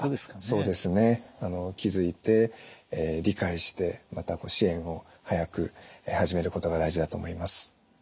そうですね気づいて理解してまた支援を早く始めることが大事だと思います。